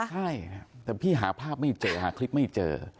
ใช่แต่พี่หาภาพไม่เจอหาคลิปไม่เจอ